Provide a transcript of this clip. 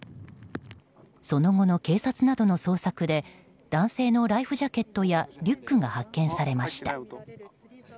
その後の警察などの捜索で男性のライフジャケットやリュックが発見されました。